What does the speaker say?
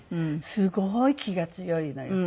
すごい気が強いのよ。